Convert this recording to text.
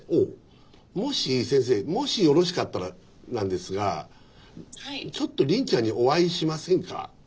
もし先生よろしかったらなんですがちょっと凜ちゃんにお会いしませんか？